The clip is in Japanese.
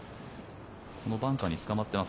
バンカーにつかまってます。